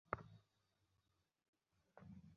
দোতলার বারান্দা সুন্দর করে সাজানো!